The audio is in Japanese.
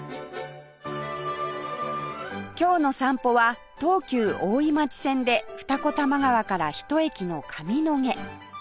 今日の散歩は東急大井町線で二子玉川から１駅の上野毛